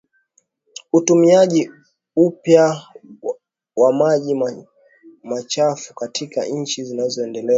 Utumiajia upya wa maji machafukatika nchi zinazoendelea